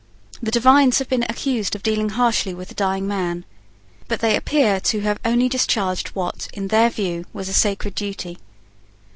The divines have been accused of dealing harshly with the dying man. But they appear to have only discharged what, in their view, was a sacred duty.